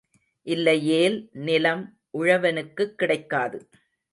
இல்லையேல் நிலம் உழவனுக்குக் கிடைக்காது.